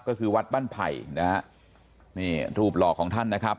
ก็คือวัดบ้านไผ่นะฮะนี่รูปหล่อของท่านนะครับ